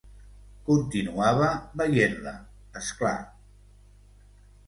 Continuava veient-la, és clar.